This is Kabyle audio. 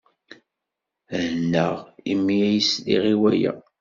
Hennaɣ imi ay sliɣ i waya.